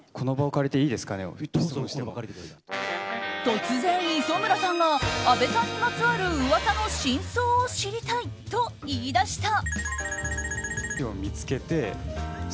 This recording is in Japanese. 突然、磯村さんが阿部さんにまつわる噂の真相を知りたいと切り出した。